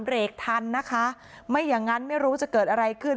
เบรกทันนะคะไม่อย่างงั้นไม่รู้จะเกิดอะไรขึ้น